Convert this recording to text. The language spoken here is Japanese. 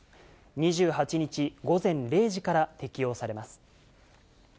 ２８日午前０時から適用されます。